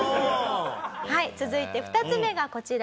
続いて２つ目がこちらです。